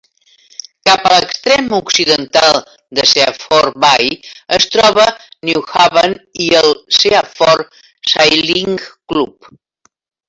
Cap a l'extrem occidental de Seaford Bay es troba Newhaven i el Seaford Sailing Club.